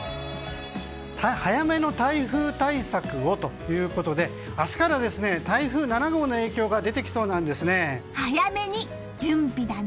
早めの台風対策をということで明日から台風７号の影響が早めに準備だね。